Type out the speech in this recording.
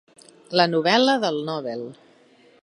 La novel·la del Nobel.